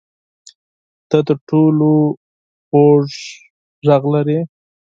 ته تر ټولو خوږ غږ لرې